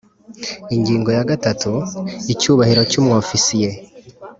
Ingingo ya gatatu Icyubahiro cy umwofisiye